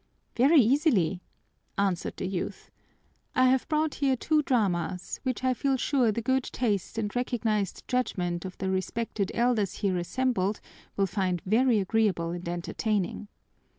"Very easily," answered the youth. "I have brought here two dramas which I feel sure the good taste and recognized judgment of the respected elders here assembled will find very agreeable and entertaining.